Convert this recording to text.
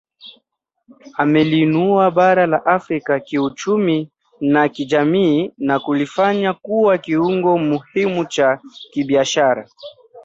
Imeliinua bara la Afrika kiuchumi na kijamii na kulifanya kuwa kiungo muhimu cha kibiashara